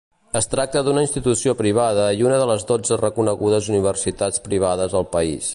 Es tracta d'una institució privada i una de les dotze reconegudes universitats privades al país.